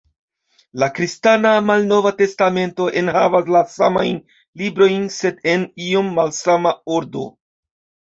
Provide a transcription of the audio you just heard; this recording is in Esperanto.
La kristana "Malnova Testamento" enhavas la samajn librojn, sed en iom malsama ordo.